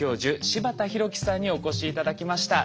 柴田弘紀さんにお越し頂きました。